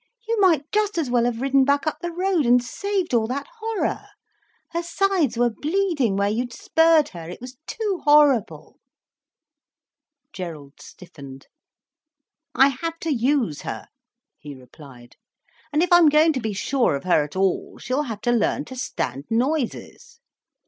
You might just as well have ridden back up the road, and saved all that horror. Her sides were bleeding where you had spurred her. It was too horrible—!" Gerald stiffened. "I have to use her," he replied. "And if I'm going to be sure of her at all, she'll have to learn to stand noises."